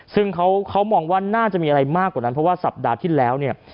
ซึ่งเขามองว่าน่าจะมีอะไรมากกว่านั้นเพราะว่าสัปดาห์ที่แล้วเนี่ย